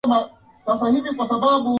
Kikohozi kutoka na maji yaliyo kwenye mapafu